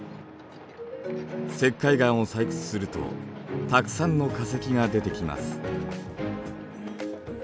石灰岩を採掘するとたくさんの化石が出てきます。